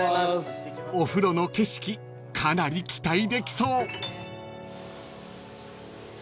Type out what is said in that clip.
［お風呂の景色かなり期待できそう］